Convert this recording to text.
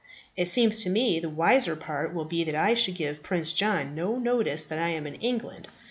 It seems to me the wiser part will be that I should give Prince John no notice that I am in England.